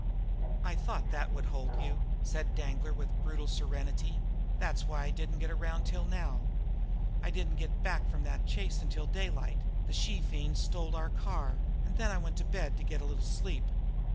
"I thought that would hold you!" said Danglar with brutal serenity. "That's why I didn't get around till now. I didn't get back from that chase until daylight the she fiend stole our car and then I went to bed to get a little sleep.